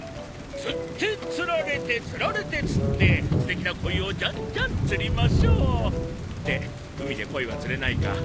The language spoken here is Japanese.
釣って釣られて釣られて釣って素敵な「コイ」をじゃんじゃん釣りましょう。って海でコイは釣れないか。